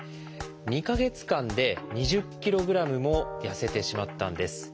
２か月間で２０ｋｇもやせてしまったんです。